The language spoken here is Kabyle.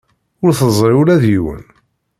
Ur teẓri ula d yiwen?